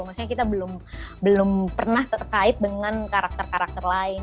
maksudnya kita belum pernah terkait dengan karakter karakter lain